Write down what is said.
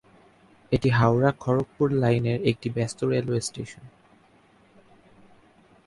এটি হাওড়া-খড়গপুর লাইনের একটি ব্যস্ত রেলওয়ে স্টেশন।